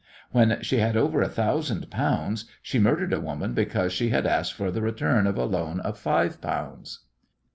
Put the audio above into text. When she had over a thousand pounds she murdered a woman because she had asked for the return of a loan of five pounds.